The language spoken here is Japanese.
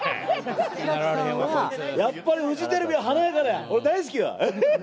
やっぱりフジテレビは華やかで大好きよ。